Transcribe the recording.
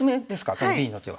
このＢの手は。